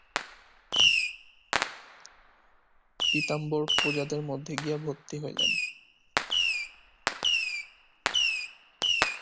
পীতাম্বর প্রজাদের মধ্যে গিয়া ভর্তি হইলেন।